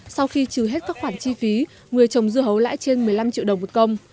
sau khi trừ hết các khoản chi phí người trồng dưa hấu lãi trên một mươi năm triệu đồng một công